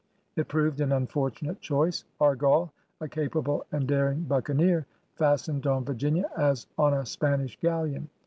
It proved an imfortunate Qhoice. Argall, a capable and daring buccaneer, fastened on Virginia as on a Spanish galleon.